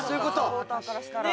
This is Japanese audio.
サポーターからしたら。